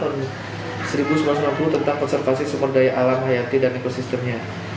tahun seribu sembilan ratus lima puluh tentang konservasi sumber daya alam hayati dan ekosistemnya